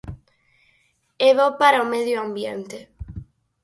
É bo para o medio ambiente.